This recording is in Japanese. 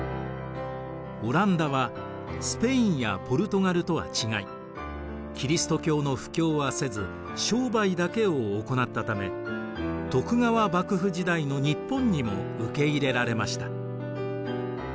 オランダはスペインやポルトガルとは違いキリスト教の布教はせず商売だけを行なったため徳川幕府時代の日本にも受け入れられました。